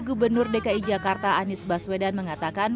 gubernur dki jakarta anies baswedan mengatakan